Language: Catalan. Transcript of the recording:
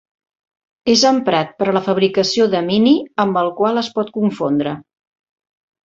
És emprat per a la fabricació de mini, amb el qual es pot confondre.